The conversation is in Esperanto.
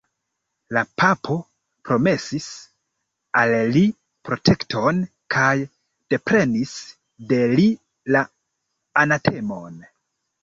La papo promesis al li protekton kaj deprenis de li la anatemon.